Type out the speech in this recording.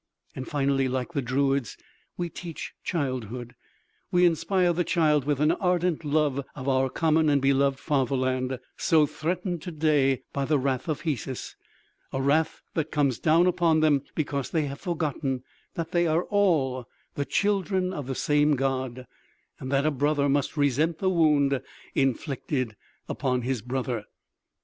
Finally, like the druids, we teach childhood, we inspire the child with an ardent love of our common and beloved fatherland so threatened to day by the wrath of Hesus, a wrath that comes down upon them because they have forgotten that they are all the children of the same God, and that a brother must resent the wound inflicted upon his brother."